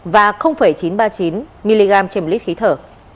và chín trăm ba mươi chín mg châm lít khí thở